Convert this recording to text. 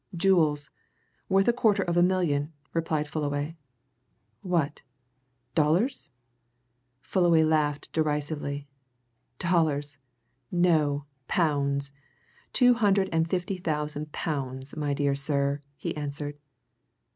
"Jewels! Worth a quarter of a million," replied Fullaway. "What? Dollars?" Fullaway laughed derisively. "Dollars! No, pounds! Two hundred and fifty thousand pounds, my dear sir!" he answered.